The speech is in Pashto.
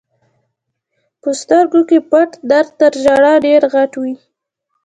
په سترګو کې پټ درد تر ژړا ډېر غټ وي.